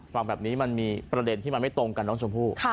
ฟังแบบนี้มันมีประเด็นที่มันไม่ตรงกันน้องชมพู่